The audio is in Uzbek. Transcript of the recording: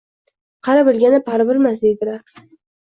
Qari bilganni pari bilmas, deydilar